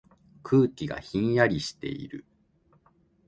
空気がひんやりしている。